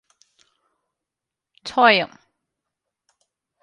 Toye.